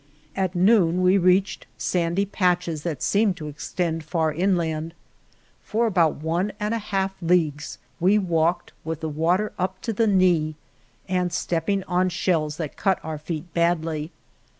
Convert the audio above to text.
At noon we reached sandy patches that seemed to extend far inland. For about one and a half leagues we walked, with the water up to the knee, and stepping on shells that cut our feet badly.